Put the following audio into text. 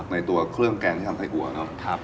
ในตัวเครื่องแกงที่ทำไส้อัวเนอะ